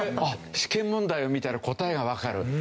試験問題を見たら答えがわかる。